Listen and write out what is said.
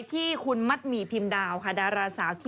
ที่ไม่ใช่เป็นดาราว่าที่